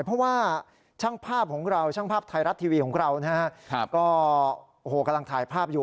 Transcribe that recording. เพราะว่าช่างภาพของเราช่างภาพไทยรัฐทีวีของเรานะฮะก็โอ้โหกำลังถ่ายภาพอยู่